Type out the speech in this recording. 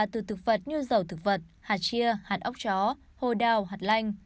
từ thực vật như dầu thực vật hà chia hạt ốc chó hồ đào hạt lanh